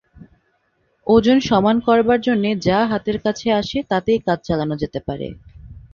ওজন সমান করবার জন্যে যা হাতের কাছে আসে তাতেই কাজ চালানো যেতে পারে।